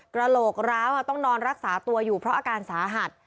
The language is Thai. กระโหลกร้าวต้องนอนรักษาตัวอยู่เพราะอาการสาหัส